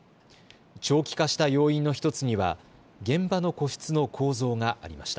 長期化した要因の１つには現場の個室の構造がありました。